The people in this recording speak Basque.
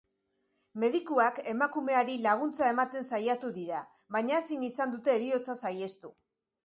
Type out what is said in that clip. Medikuak emakumeari laguntza ematen saiatu dira, baina ezin izan dute heriotza saihestu.